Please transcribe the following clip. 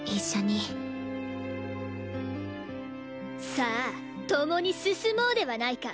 さあ共に進もうではないか。